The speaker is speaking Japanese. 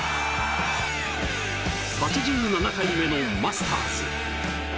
８７回目のマスターズ。